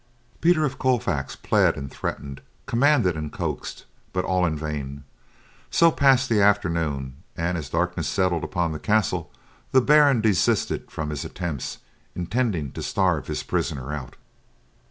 Peter of Colfax pled and threatened, commanded and coaxed, but all in vain. So passed the afternoon, and as darkness settled upon the castle the Baron desisted from his attempts, intending to starve his prisoner out.